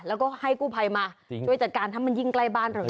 แล้วก็ให้กู้ภัยมาช่วยจัดการถ้ามันยิ่งใกล้บ้านเรา